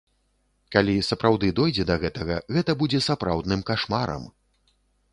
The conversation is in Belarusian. Калі сапраўды дойдзе да гэтага, гэта будзе сапраўдным кашмарам.